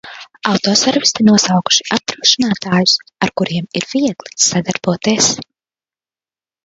Autoservisi nosaukuši apdrošinātājus ar kuriem ir viegli sadarboties.